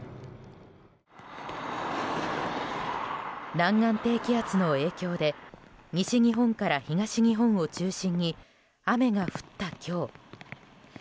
南岸低気圧の影響で西日本から東日本を中心に雨が降った今日。